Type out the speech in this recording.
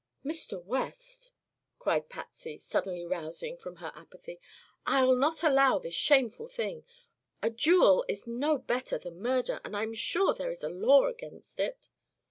"Mr. West," cried Patsy, suddenly rousing from her apathy, "I'll not allow this shameful thing! A duel is no better than murder, and I'm sure there is a law against it."